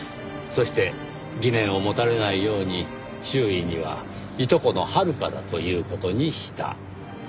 そして疑念を持たれないように周囲にはいとこの遥香だという事にした。